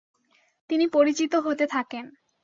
তিনি পরিচিত হতে থাকেন।